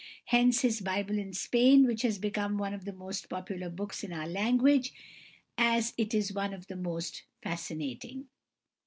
Hence his "Bible in Spain," which has become one of the most popular books in our language as it is one of the most fascinating.